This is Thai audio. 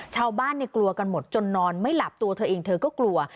ชาวบ้านกลัวกันหมดจนนอนไม่หลับตัวเธอเองเธอก็กลัว